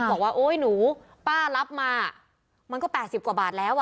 บอกว่าโอ๊ยหนูป้ารับมามันก็๘๐กว่าบาทแล้วอ่ะ